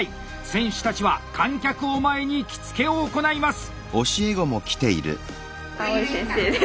選手たちは観客を前に着付を行います！